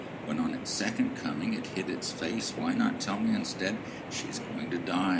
When on its second coming it hid its face, why not tell me, instead, 'She is going to die.